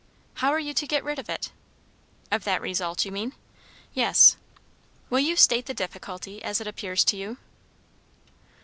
"How are you to get rid of it?" "Of that result, you mean?" "Yes." "Will you state the difficulty, as it appears to you?"